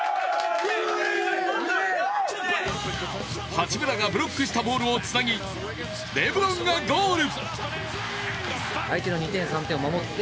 八村がブロックしたボールをつなぎ、レブロンがゴール！